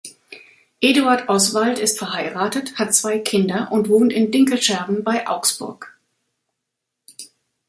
Eduard Oswald ist verheiratet, hat zwei Kinder und wohnt in Dinkelscherben bei Augsburg.